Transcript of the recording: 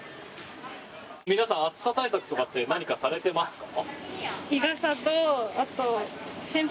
皆さん、暑さ対策とかって何かされてますか？